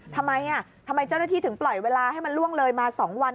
ทำไมทำไมเจ้าหน้าที่ถึงปล่อยเวลาให้มันล่วงเลยมา๒วัน